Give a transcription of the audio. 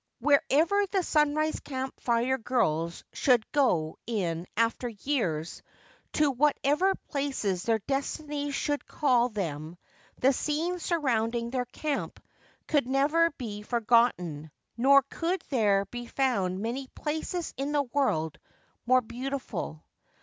Wherever the Sunrise Camp Fire girls should go in after years, to whatever places their destinies should call them, the scene surrounding their camp could never be forgotten, nor could there be found many places in the world more beautiful.